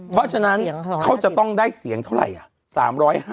เพราะฉะนั้นเขาจะต้องได้เสียงเท่าไหร่